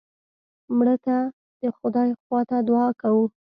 مړه ته د خدای خوا ته دعا کوو